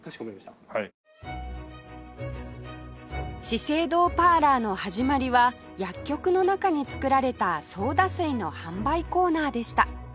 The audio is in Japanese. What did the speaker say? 資生堂パーラーの始まりは薬局の中に作られたソーダ水の販売コーナーでした